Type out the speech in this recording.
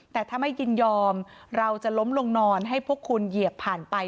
แต่ถ้าไม่ยินยอมเราจะล้มลงนอนให้พวกคุณเหยียบผ่านไป